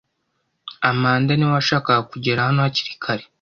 Amanda niwe washakaga kugera hano hakiri kare.